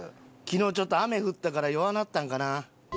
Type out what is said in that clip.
昨日ちょっと雨降ったから弱なったんかな？